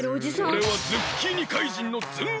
おれはズッキーニ怪人のええっ！？